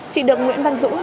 chị được nguyễn văn dũng mời